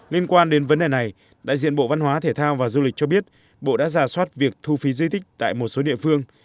liên quan đến vấn đề này đại diện bộ văn hóa thể thao và du lịch cho biết bộ đã giả soát việc thu phí di tích tại một số địa phương